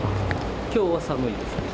きょうは寒いですね。